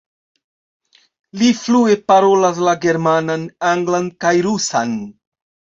Li flue parolas la germanan, anglan kaj rusan.